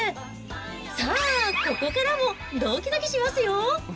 さあ、ここからもどきどきしますよ。